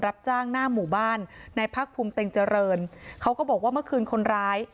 รับจ้างหน้าหมู่บ้านในพักภูมิเต็งเจริญเขาก็บอกว่าเมื่อคืนคนร้าย